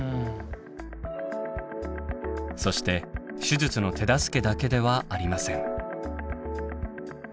そして手術の手助けだけではありません。